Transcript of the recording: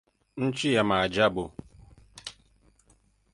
Nchi ya maajabu.